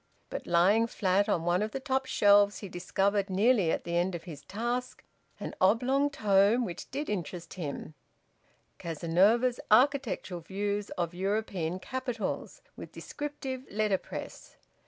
But lying flat on one of the top shelves he discovered, nearly at the end of his task, an oblong tome which did interest him: "Cazenove's Architectural Views of European Capitals, with descriptive letterpress."